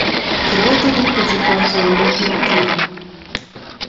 Кроў тады пацякла каламутным вірам.